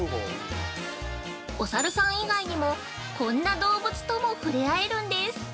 お猿さん以外にも、こんな動物とも触れ合えるんです。